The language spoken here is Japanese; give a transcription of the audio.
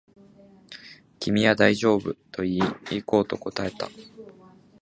君は大丈夫と言い、行こうと答えた